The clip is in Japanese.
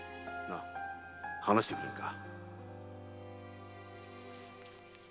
〔話してくれんか？